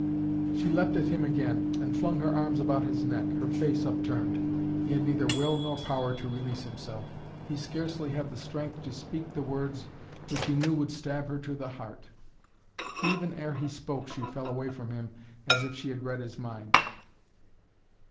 She leapt at him again and flung her arms about his neck, her face upturned. He had neither will nor power to release himself. He scarcely had the strength to speak the words which he knew would stab her to the heart. Even ere he spoke she fell away from him as if she had read his mind.